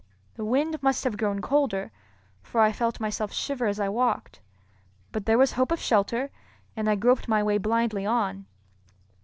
The wind must have grown colder, for I felt myself shiver as I walked; but there was hope of shelter, and I groped my way blindly on.